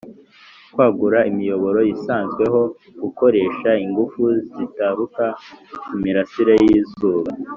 kwagura imiyoboro isanzweho, gukoresha ingufu zitaruka ku mirasire y'izuba);